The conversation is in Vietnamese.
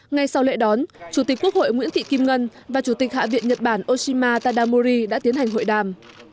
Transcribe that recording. ngay sau lễ đón chủ tịch quốc hội nguyễn thị kim ngân và chủ tịch hạ viện nhật bản oshima tadamuri đã tiến hành hội đàm